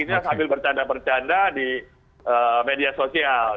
ya mereka sambil bercanda bercanda di media sosial